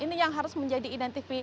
ini yang harus menjadi identifikasi